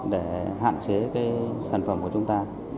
để hạn chế cái sản phẩm của chúng ta